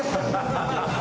アハハハ。